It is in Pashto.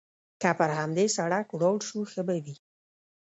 که پر همدې سړک ولاړ شو، ښه به وي.